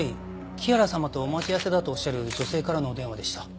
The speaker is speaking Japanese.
木原様とお待ち合わせだとおっしゃる女性からのお電話でした。